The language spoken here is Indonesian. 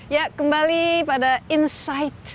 ya kembali pada insight